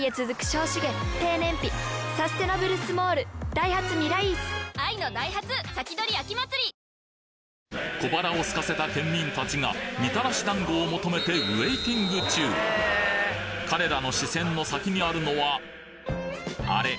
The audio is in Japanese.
大須商店街にあるこちら小腹を空かせた県民たちがみたらし団子を求めてウェイティング中彼らの視線の先にあるのはあれ？